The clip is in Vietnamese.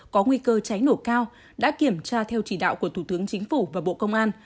có nguy cơ cháy nổ cao đã kiểm tra theo chỉ đạo của thủ tướng chính phủ và bộ công an